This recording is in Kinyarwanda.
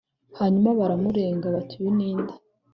Hanyuma baramurega bati uyu ninde